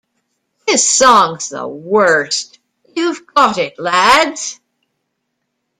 This song's the worst - You've got it lads!